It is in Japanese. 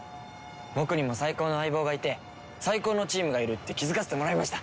僕にも最高の相棒がいて最高のチームがいるって気付かせてもらいました！